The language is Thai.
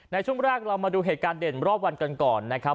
ในช่วงแรกเรามาดูเหตุการณ์เด่นรอบวันกันก่อนนะครับ